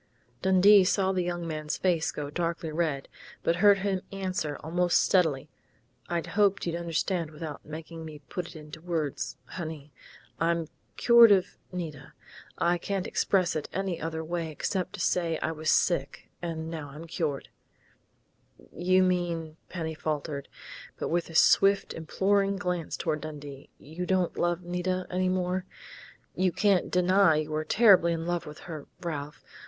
Dundee saw the young man's face go darkly red, but heard him answer almost steadily: "I hoped you'd understand without making me put it into words, honey.... I'm cured of Nita. I can't express it any other way except to say I was sick, and now I'm cured " "You mean " Penny faltered, but with a swift, imploring glance toward Dundee, " you don't love Nita any more? You can't deny you were terribly in love with her, Ralph.